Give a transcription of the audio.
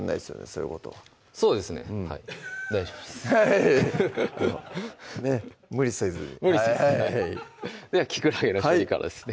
そういうことはそうですねはい大丈夫です無理せずにはい無理せずではきくらげの処理からですね